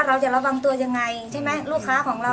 เราจะระวังตัวยังไงใช่ไหมลูกค้าของเรา